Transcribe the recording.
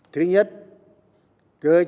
thứ nhất cơ chế đa phương toàn cầu vào khu vực